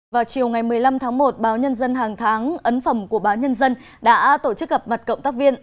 vào chiều ngày một mươi năm tháng một báo nhân dân hàng tháng ấn phẩm của báo nhân dân đã tổ chức gặp mặt cộng tác viên